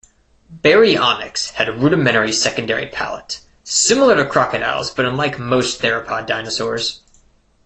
"Baryonyx" had a rudimentary secondary palate, similar to crocodiles but unlike most theropod dinosaurs.